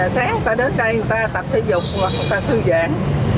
sáng ta đến đây người ta tập thể dục và người ta thư giãn